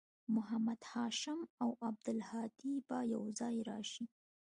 محمد هاشم او عبدالهادي به یوځای راشي